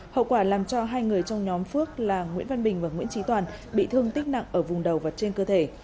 hậu quả làm cho hai người trong nhóm phước là nguyễn văn bình và nguyễn trí toàn bị thương tích nặng ở vùng đầu và trên cơ thể